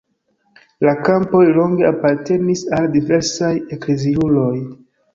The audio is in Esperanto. La kampoj longe apartenis al diversaj ekleziuloj.